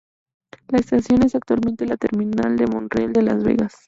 La estación es actualmente la terminal del Monorriel de Las Vegas.